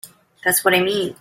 That's what I mean.